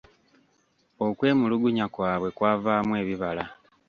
Okwemulugunya kwabwe kwavaamu ebibala.